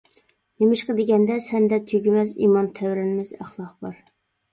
نېمىشقا دېگەندە، سەندە تۈگىمەس ئىمان، تەۋرەنمەس ئەخلاق بار.